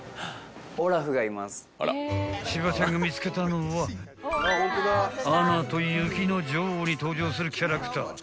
［千葉ちゃんが見つけたのは『アナと雪の女王』に登場するキャラクター］